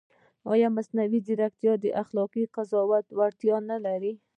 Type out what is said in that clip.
ایا مصنوعي ځیرکتیا د اخلاقي قضاوت وړتیا نه لري؟